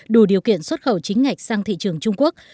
đủ điều kiện xuất khẩu chính ngạch sang thị trường trung quốc